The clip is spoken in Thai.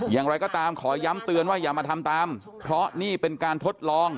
อย่างไรก็ตามขอย้ำเตือนว่าอย่ามาทำตามเพราะนี่เป็นการทดลอง